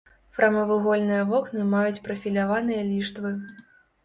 Прамавугольныя вокны маюць прафіляваныя ліштвы.